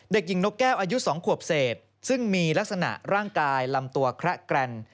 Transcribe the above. เด็กหญิงนกแก้วอายุ๒ขวบเศษซึ่งมีลักษณะร่างกายลำตัวแคละแกรน